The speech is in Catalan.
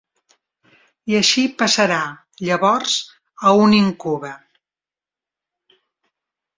I així passarà llavors a un íncube.